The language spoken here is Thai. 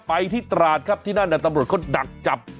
ไปที่ตราดครับที่นั่นตำรวจเขาดักจับ